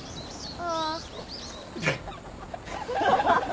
ああ。